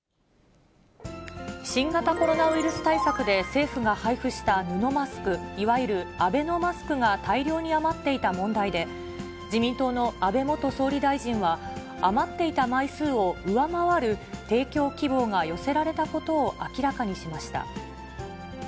新型コロナウイルス対策で政府が配布した布マスク、いわゆるアベノマスクが大量に余っていた問題で、自民党の安倍元総理大臣は、余っていた枚数を上回る提供希望が寄せられたことを明らかにしました。